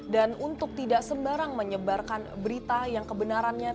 dan untuk tidak sembarang menyebarkan berita yang kebenarannya